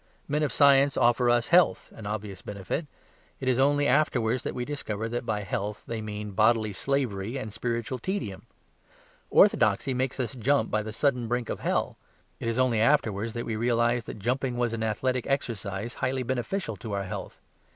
Men of science offer us health, an obvious benefit; it is only afterwards that we discover that by health, they mean bodily slavery and spiritual tedium. Orthodoxy makes us jump by the sudden brink of hell; it is only afterwards that we realise that jumping was an athletic exercise highly beneficial to our health.